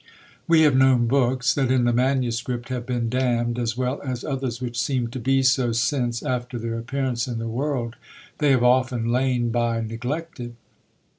"We have known books, that in the MS. have been damned, as well as others which seem to be so, since, after their appearance in the world, they have often lain by neglected.